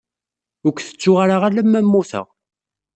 Ur k-tettuɣ ara alamma mmuteɣ.